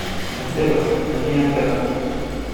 montero, no tiene alternativa.